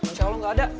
insya allah gak ada